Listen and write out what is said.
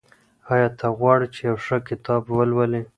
آیا ته غواړې چې یو ښه کتاب ولولې؟